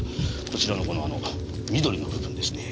こちらのこの緑の部分ですね。